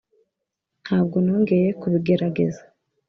ntabwo nongeye kubigerageza.